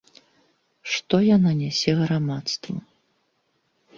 Што яна нясе грамадству?